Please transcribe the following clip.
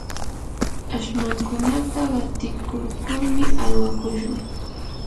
ashmankunata qatikurkurmi aywakushqa.